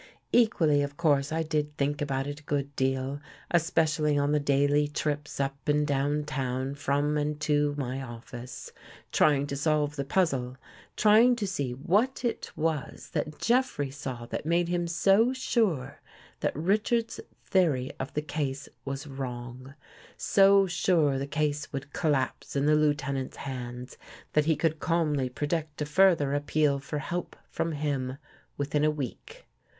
Equally, of course, I did think about it a good deal, especially on the daily trips up and down town from and to my office, trying to solve the puzzle — trying to see what it was that Jeffrey saw that made him so sure that Richard's theory of the case was wrong; so sure the case would collapse in the Lieu tenant's hands that he could calmly predict a further appeal for help from him within a week.